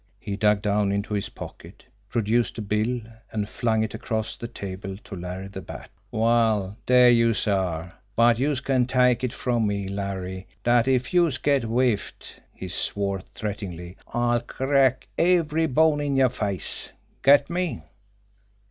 He dug down into his pocket, produced a bill, and flung it across the table to Larry the Bat. "Well, dere youse are; but youse can take it from me, Larry, dat if youse gets whiffed" he swore threateningly "I'll crack every bone in yer face! Get me?"